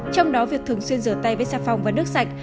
trong đó việc thường xuyên rửa tay với xà phòng và nước sạch